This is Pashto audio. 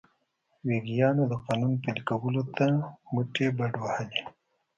ویګیانو د قانون پلي کولو ته مټې بډ وهلې.